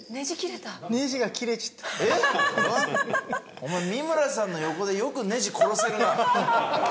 お前美村さんの横でよくネジ殺せるな。